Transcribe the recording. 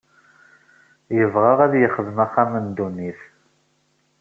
Yebɣa ad yexdem axxam n ddunit.